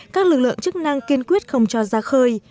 các lực lượng chức năng kiên quyết không cho ra khơi